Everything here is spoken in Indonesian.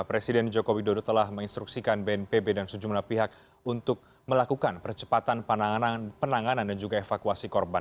presiden joko widodo telah menginstruksikan bnpb dan sejumlah pihak untuk melakukan percepatan penanganan dan juga evakuasi korban